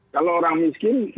kalau orang miskin tidak ada